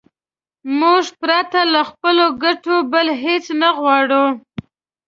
موږ پرته له خپلو ګټو بل هېڅ نه غواړو.